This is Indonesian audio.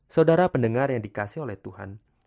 saudara pendengar yang dikasih oleh tuhan